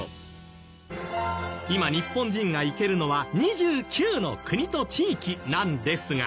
今日本人が行けるのは２９の国と地域なんですが。